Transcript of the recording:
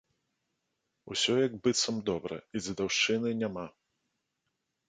Усё як быццам добра і дзедаўшчыны няма.